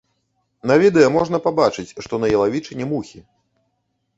На відэа можна пабачыць, што на ялавічыне мухі.